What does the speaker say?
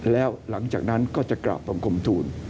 แล้วหลังจากนั้นก็จะกราบบังคมทูล